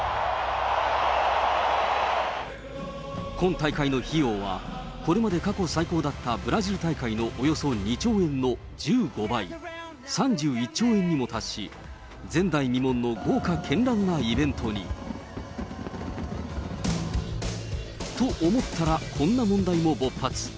今大会の費用は、これまで過去最高だったブラジル大会のおよそ２兆円の１５倍、３１兆円にも達し、前代未聞の豪華けんらんなイベントに。と思ったら、こんな問題も勃発。